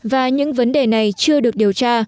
và những vấn đề này chưa được điều tra